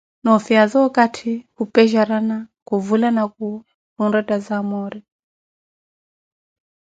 Noo fiyaza okathi, khupejarana, khuvulana khuwo khurethaza amore